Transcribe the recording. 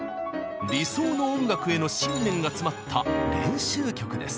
理想の音楽への信念が詰まった練習曲です。